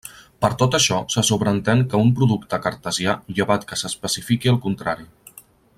Per tot això, se sobreentén que en un producte cartesià, llevat que s'especifiqui el contrari.